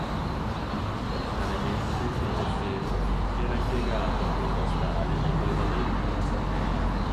Originariamente il "Deffenu" era impiegato come “postale” nei collegamenti con la Sardegna.